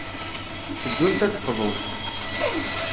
Tteddunt ad d-qḍunt.